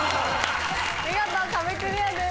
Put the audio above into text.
見事壁クリアです。